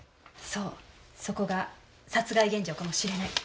そうそこが殺害現場かもしれない。